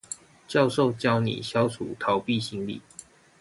教授教你消除逃避心理